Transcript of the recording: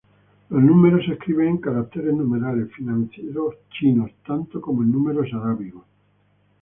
Los números se escriben en caracteres numerales financieros chinos tanto como en números arábigos.